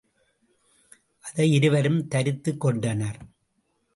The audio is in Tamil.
அதை இருவரும் தரித்துக் கொண்டனர்.